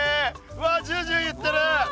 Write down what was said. うわジュージューいってる。